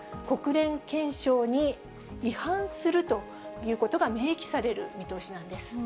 国連憲章に違反するということが明記される見通しなんです。